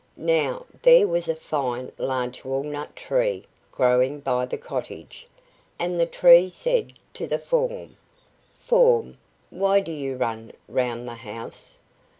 Now there was a fine large walnut tree growing by the cottage, and the tree said to the form: "Form, why do you run round the house?"